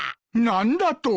何だと？